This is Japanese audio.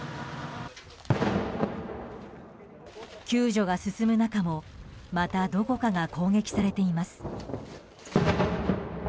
救助が進む中もまたどこかが攻撃されています。